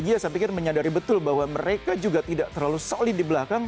dia saya pikir menyadari betul bahwa mereka juga tidak terlalu solid di belakang